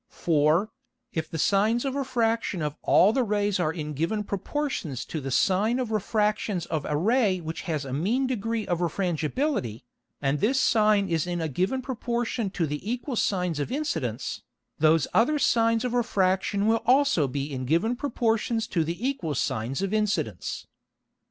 For, if the Sines of Refraction of all the Rays are in given Proportions to the Sine of Refractions of a Ray which has a mean Degree of Refrangibility, and this Sine is in a given Proportion to the equal Sines of Incidence, those other Sines of Refraction will also be in given Proportions to the equal Sines of Incidence.